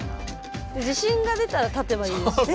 自信が出たら立てばいいですしね。